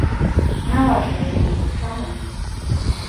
На вашую думку, чаму?